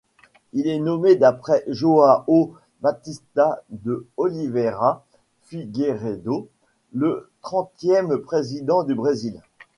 Il est nommé d'après João Baptista de Oliveira Figueiredo, le trentième Président du Brésil.